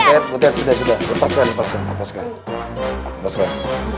butet butet sudah sudah lepaskan lepaskan